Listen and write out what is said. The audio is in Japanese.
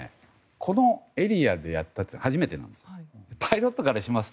このエリアでやったのは初めてなんです。